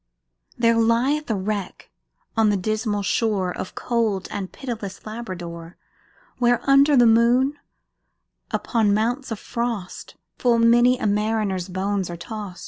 There lieth a wreck on the dismal shore Of cold and pitiless Labrador; Where, under the moon, upon mounts of frost, Full many a mariner's bones are tost.